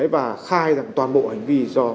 và khai toàn bộ hành vi